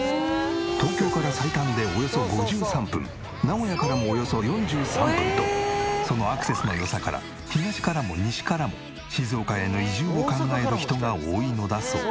東京から最短でおよそ５３分名古屋からもおよそ４３分とそのアクセスの良さから東からも西からも静岡への移住を考える人が多いのだそう。